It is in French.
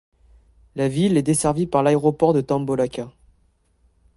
La ville est desservie par l'aéroport de Tambolaka.